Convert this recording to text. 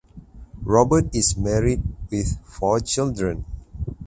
Robert is married with four children.